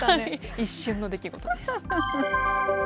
一瞬の出来事です。